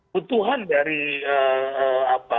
butuhan dari apa